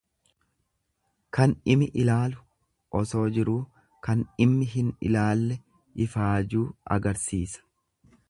Kan dhimi ilaalu osoo jiruu kan dhimmi hin ilaalle ifaajuu agarsiisa.